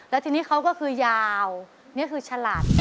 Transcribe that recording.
แล้วทีนี้เขาก็คือยาวนี่คือฉลาด